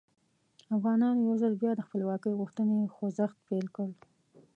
افغانانو یو ځل بیا د خپلواکۍ غوښتنې خوځښت پیل کړ.